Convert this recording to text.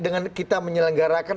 dengan kita menyelenggarakan